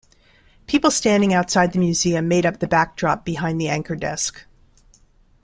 People standing outside the museum made up the backdrop behind the anchor desk.